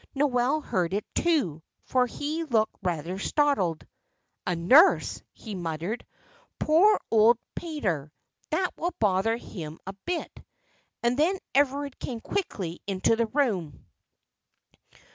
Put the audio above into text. Noel heard it, too, for he looked rather startled. "A nurse!" he muttered. "Poor old pater, that will bother him a bit." And then Everard came quickly into the room.